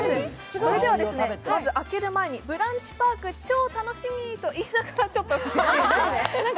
それではまず開ける前にブランチパーク、超楽しみ！と言いながらちょっと。